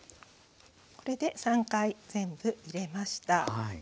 これで３回全部入れました。